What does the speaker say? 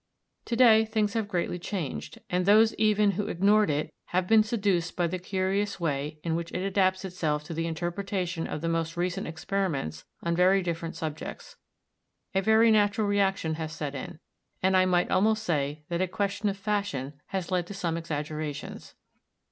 To day things have greatly changed, and those even who ignored it have been seduced by the curious way in which it adapts itself to the interpretation of the most recent experiments on very different subjects. A very natural reaction has set in; and I might almost say that a question of fashion has led to some exaggerations.